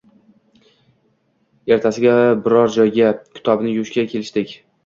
Etasiga biror joyda kitobni yuvishga kelishdik